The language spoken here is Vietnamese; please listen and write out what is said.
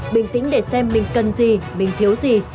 bình tĩnh để xem mình cần gì mình thiếu gì